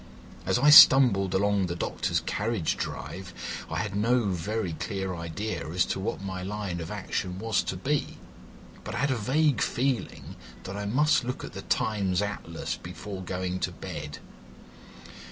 As I stumbled along the doctor's carriage drive I had no very clear idea as to what my line of action was to be, but I had a vague feeling that I must look at the Times Atlas before going to bed.